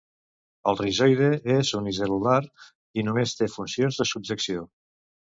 El rizoide és unicel·lular i només té funcions de subjecció.